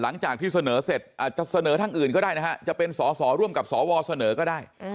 หลังจากที่เสนอเสร็จอาจจะเสนอทางอื่นก็ได้นะฮะจะเป็นสอสอร่วมกับสวเสนอก็ได้